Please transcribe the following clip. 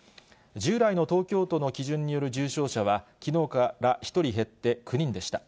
従来の東京都の基準による重症者は、きのうから１人減って９人でした。